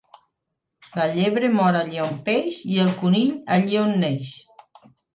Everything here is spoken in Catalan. La llebre mor allí on peix i el conill allí on neix.